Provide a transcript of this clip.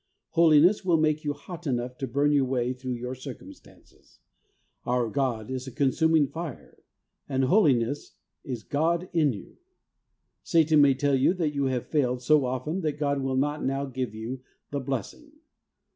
Holiness will make you hot enough to burn your way through your circumstances. ' Our God is a consuming fire,' and Holiness is God in yon. Satan may tell you that you have failed so often that God will not now give you the blessing.